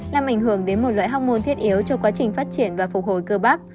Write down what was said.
làm ảnh hưởng đến một loại hóc môn thiết yếu cho quá trình phát triển và phục hồi cơ bác